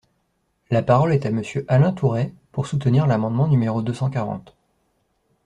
La parole est à Monsieur Alain Tourret, pour soutenir l’amendement numéro deux cent quarante.